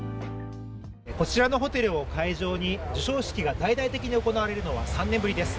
こちらのホテルを会場に授賞式が大々的に行われるのは３年ぶりです。